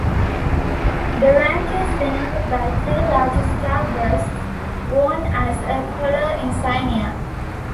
The rank is denoted by three large starbursts worn as a collar insignia.